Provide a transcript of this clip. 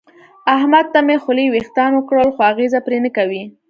احمد ته مې خولې وېښتان وکړل خو اغېزه پرې نه کوي.